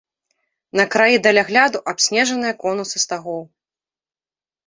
На краі далягляду абснежаныя конусы стагоў.